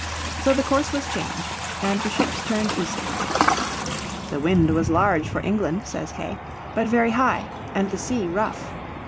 So the course was changed, and the ships turned eastward. "The wind was large for England," says Hay, "but very high, and the sea, rough."